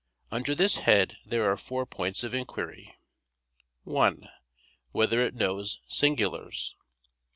Under this head there are four points of inquiry: (1) Whether it knows singulars?